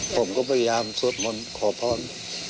ผมก็พยายามสวดมนต์ขอพร